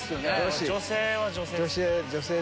女性は女性。